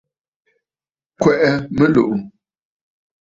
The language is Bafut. Kwɛ̀ʼɛ mɨlùʼù.